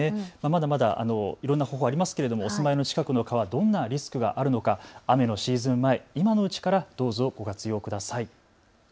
まだまだいろんな方法がありますけれども住まいの近くの川どんなリスクがあるのか雨のシーズン前、今のうちからどうぞご活用ください。